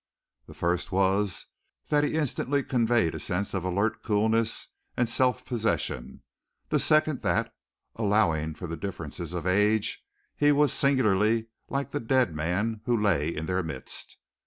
The first was that he instantly conveyed a sense of alert coolness and self possession; the second that, allowing for differences of age, he was singularly like the dead man who lay in their midst.